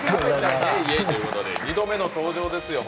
イエイイエイということで２度目の登場ですよ。